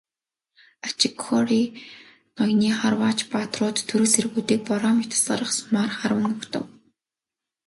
Ачигхори ноёны харваач баатрууд түрэг цэргүүдийг бороо мэт асгарах сумаар харван угтав.